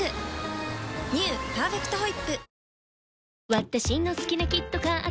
「パーフェクトホイップ」